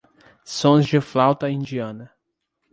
Sons de flauta indiana